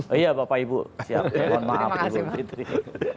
oh iya bapak ibu siap mohon maaf